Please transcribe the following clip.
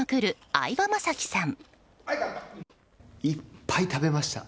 相葉雅紀さん。